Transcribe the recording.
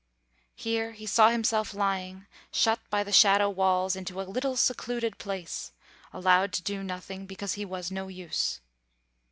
Here he saw himself lying, shut by the shadow walls into a little secluded place, allowed to do nothing, because he was no use.